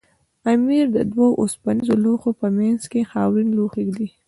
امیر د دوو اوسپنیزو لوښو په منځ کې خاورین لوښی دی.